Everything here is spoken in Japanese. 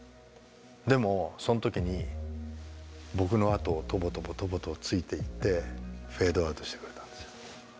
でもその時に僕のあとをトボトボトボトボついていってフェードアウトしてくれたんですよ。